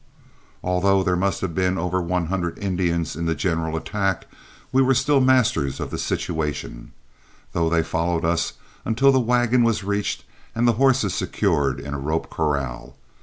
Although there must have been over one hundred Indians in the general attack, we were still masters of the situation, though they followed us until the wagon was reached and the horses secured in a rope corral.